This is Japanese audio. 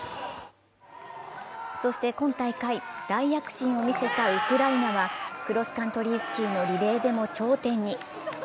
そして今大会大躍進を見せたウクライナは、クロスカントリースキーのリレーでも頂点に。